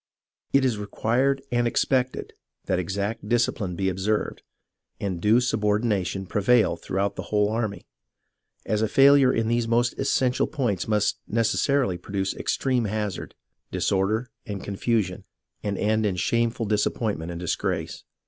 It is required and expected that exact discipline be observed, and due subordination prevail through the whole army, as a failure in these most essential points must necessarily produce extreme hazard, disorder, and confusion, and end 70 HISTORY OF THE AMERICAN REVOLUTION in shameful disappointment and disgrace.